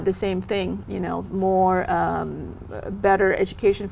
trước hết xin chào và cảm ơn các bạn